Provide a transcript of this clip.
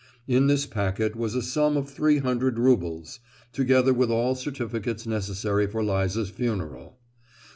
In this packet was a sum of three hundred roubles, together with all certificates necessary for Liza's funeral.